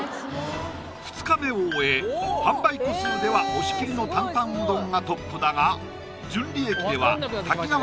２日目を終え販売個数では押切の坦々うどんがトップだが純利益では瀧川鯉